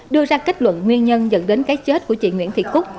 đưa ra kết luận nguyên nhân dẫn đến cái chết của chị nguyễn thị cúc